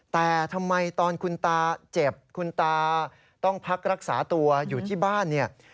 แต่ทำไมตอนคุณตาเจ็บคุณตาต้องพักรักษาตัวอยู่ที่บ้านเนี่ย